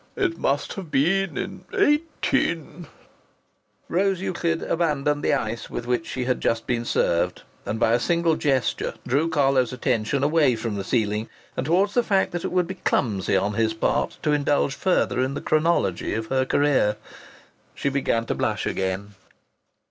"It must have been in eighteen " Rose Euclid abandoned the ice with which she had just been served, and by a single gesture drew Carlo's attention away from the ceiling, and towards the fact that it would be clumsy on his part to indulge further in the chronology of her career. She began to blush again.